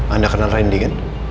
anda kenal randy kan